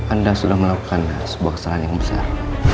anda sudah melakukan sebuah kesalahan yang besar